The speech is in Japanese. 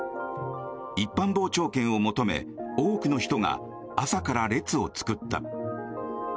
一般傍聴券を求め多くの人が朝から列を作った。